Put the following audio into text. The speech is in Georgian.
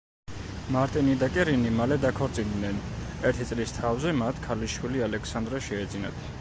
მარტინი და კერინი მალე დაქორწინდნენ, ერთი წლის თავზე მათ ქალიშვილი ალექსანდრა შეეძინათ.